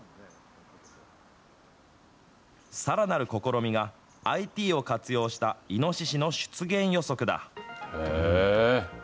さらなる試みが、ＩＴを活用したイノシシの出現予測だ。